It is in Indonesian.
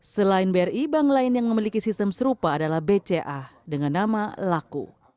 selain bri bank lain yang memiliki sistem serupa adalah bca dengan nama laku